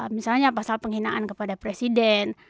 misalnya pasal penghinaan kepada presiden